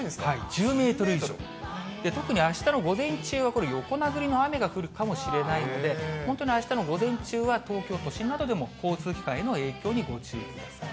１０メートル以上、特にあしたの午前中はこれ、横殴りの雨が降るかもしれないので、本当にあしたの午前中は東京都心などでも、交通機関への影響にご注意ください。